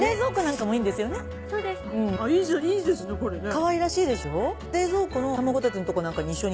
かわいらしいでしょ？